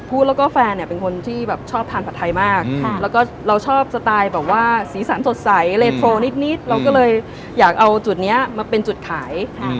พูดแล้วก็แฟนเนี่ยเป็นคนที่แบบชอบทานผัดไทยมากแล้วก็เราชอบสไตล์แบบว่าสีสันสดใสเลยโทรนิดเราก็เลยอยากเอาจุดนี้มาเป็นจุดขาย